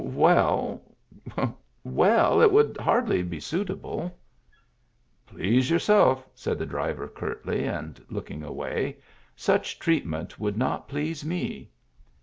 "Well — well— it would hardly be suitable." Please yourself," said the driver, curtly, and looking away. "Such treatment would not please me.